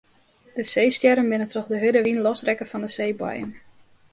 De seestjerren binne troch de hurde wyn losrekke fan de seeboaiem.